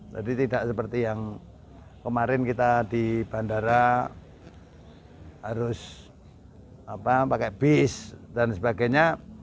jadi tidak seperti yang kemarin kita di bandara harus pakai bis dan sebagainya